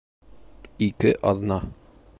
Ике аҙна